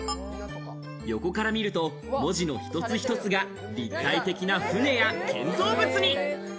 横から見ると文字の一つ一つが立体的な船や建造物に。